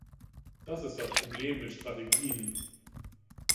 Das ist das Problem mit Strategien.